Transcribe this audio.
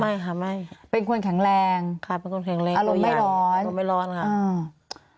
ไม่ค่ะไม่เป็นคนแข็งแรงค่ะเป็นคนแข็งแรงอารมณ์ไม่ร้อนอารมณ์ไม่ร้อนค่ะอ่า